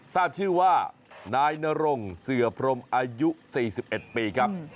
ทราบชื่อว่านายนรงเสือพรมอายุ๔๑ปีครับ